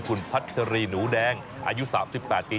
คุณพัชรีหนูแดงอายุ๓๘ปี